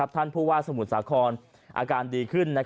ท่านผู้ว่าสมุทรสาครอาการดีขึ้น